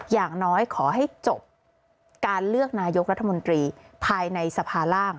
อย่างน้อยขอให้จบการเลือกนายกรัฐมนตรีภายในสภาร่าง